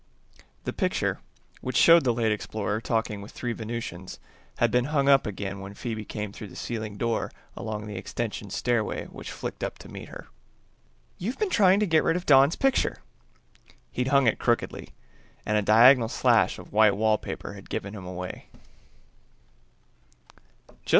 The picture, which showed the late explorer talking with three Venusians, had been hung up again when Phoebe came through the ceiling door along the extension stairway which flicked up to meet her. "You've been trying to get rid of Don's picture!" He'd hung it crookedly, and a diagonal slash of white wallpaper had given him away.